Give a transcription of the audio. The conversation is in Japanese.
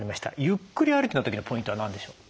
ゆっくり歩きの時のポイントは何でしょう？